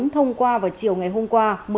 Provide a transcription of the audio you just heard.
thông qua vào chiều ngày hôm qua